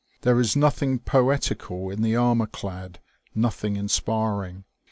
There is nothing poetical in the armourclad, nothing inspiring.